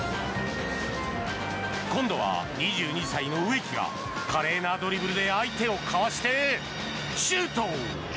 今度は２２歳の植木が華麗なドリブルで相手をかわしてシュート！